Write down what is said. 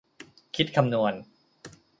คิดคำนวณ